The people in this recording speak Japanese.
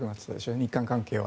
日韓関係は。